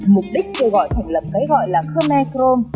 mục đích kêu gọi thành lập cái gọi là khmer krom